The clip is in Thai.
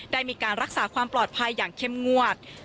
ได้มีการรักษาความปลอดภัยอย่างเข้มงวด